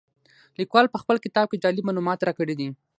لیکوال په خپل کتاب کې جالب معلومات راکړي دي.